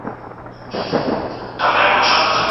که تربیه وي نو بداخلاقي نه وي.